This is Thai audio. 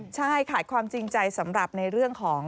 ใช่ขาดความจริงใจสำหรับในเรื่องของ